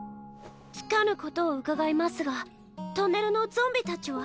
つかぬことを伺いマスがトンネルのゾンビたちは？